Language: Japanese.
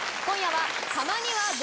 今夜は。